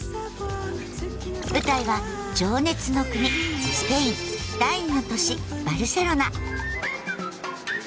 舞台は情熱の国スペイン第２の都市バルセロナ。